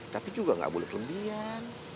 tapi juga nggak boleh kelebihan